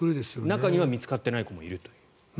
中には見つかっていない子もいるという。